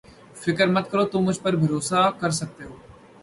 فکر مت کرو تم مجھ پر بھروسہ کر سکتے ہو